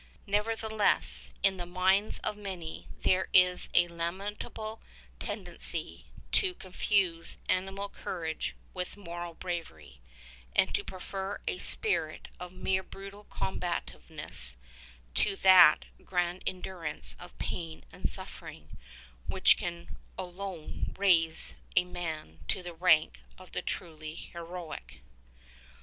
Nevertheless, in the minds of many there is a lamentable tendency tO' confuse animal courage with moral bravery, and to prefer a spirit of mere brutal combativeness to that grand endurance of pain and suffering which can alone raise a man to the rank of the truly heroic.